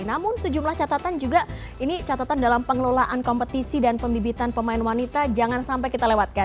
namun sejumlah catatan juga ini catatan dalam pengelolaan kompetisi dan pembibitan pemain wanita jangan sampai kita lewatkan